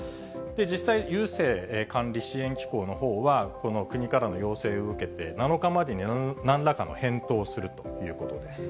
実際、郵政管理・支援機構のほうはこの国からの要請を受けて、７日までになんらかの返答をするということです。